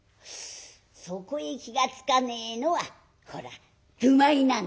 そこへ気が付かねえのはほら愚昧なんだ」。